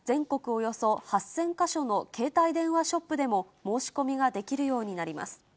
およそ８０００か所の携帯電話ショップでも申し込みができるようになります。